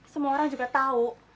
semua orang juga tahu